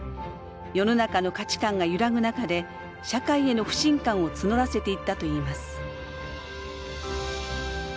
世の中の価値観が揺らぐ中で社会への不信感を募らせていったといいます。